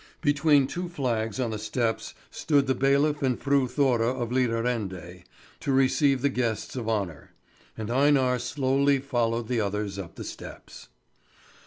Between two flags on the steps stood the bailiff and Fru Thora of Lidarende to receive the guests of honour; and Einar slowly followed the others up the steps.